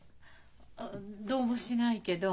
あどうもしないけど。